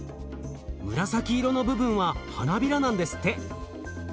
紫色の部分は花びらなんですって。